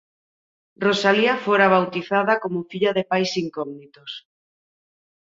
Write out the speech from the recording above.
Rosalía fora bautizada como "filla de pais incógnitos".